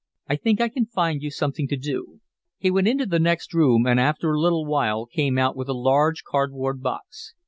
"I think I can find you something to do." He went into the next room and after a little while came out with a large cardboard box.